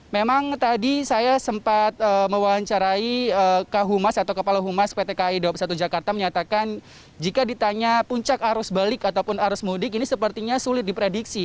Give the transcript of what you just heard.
memang tadi saya sempat mewawancarai kahumas atau kepala humas pt kai dua puluh satu jakarta menyatakan jika ditanya puncak arus balik ataupun arus mudik ini sepertinya sulit diprediksi